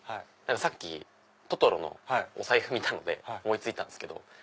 さっきトトロのお財布見たので思い付いたんですけど。